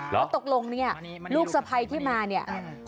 มานี่ลูกสภัยมานี่